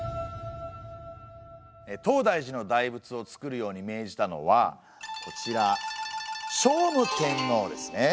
東大寺の大仏を造るように命じたのはこちら聖武天皇ですね。